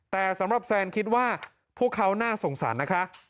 แต่สำหรับแซนคิดว่าพวกเขาน่าสงสารนะคะ